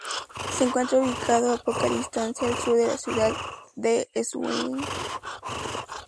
Se encuentra ubicado a poca distancia al sur de la ciudad de Schwerin.